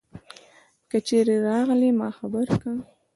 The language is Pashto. که چیری راغلي ما خبر که